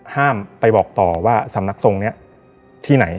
ห้ามไปบอกต่อว่าสำนักทรงนี้ที่ไหน